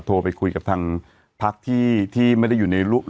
โทรไปคุยกับทางพักที่ไม่ได้อยู่ใน